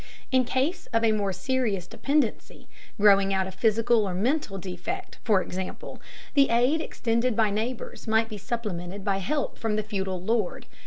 In case of a more serious dependency, growing out of physical or mental defect, for example, the aid extended by neighbors might be supplemented by help from the feudal lord.